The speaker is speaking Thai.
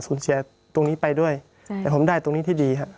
เสียตรงนี้ไปด้วยแต่ผมได้ตรงนี้ที่ดีครับ